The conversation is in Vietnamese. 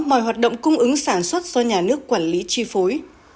đó là mọi hoạt động cung ứng sản xuất do nhà nước quản lý chi phối